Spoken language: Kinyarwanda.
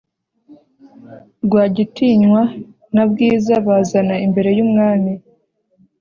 rwagitinywa na bwiza bazana imbere yumwami